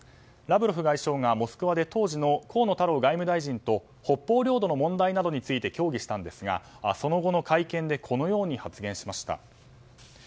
ラブロフ外相がモスクワで当時の河野太郎外務大臣と北方領土の問題などについて協議したんですがその後の会見でこのように発言しました。